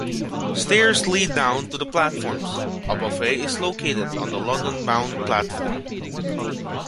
Stairs lead down to the platforms: a buffet is located on the London-bound platform.